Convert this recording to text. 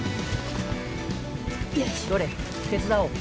どれ手伝おう。